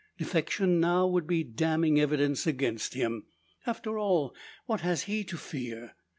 Defection now would be damning evidence against him. After all, what has he to fear?